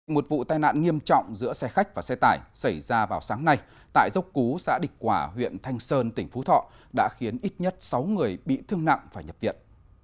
một vụ tai nạn nghiêm trọng giữa xe khách và xe tải xảy ra vào sáng nay tại dốc cú xã địch quả huyện thanh sơn tỉnh phú thọ đã khiến ít nhất sáu người bị thương nặng và nhập viện